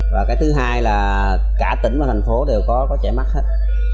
và cái thứ hai là cả tỉnh và thành phố đều có trẻ mắc hết